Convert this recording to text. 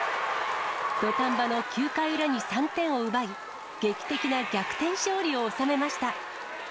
土壇場の９回裏に３点を奪い、劇的な逆転勝利を収めました。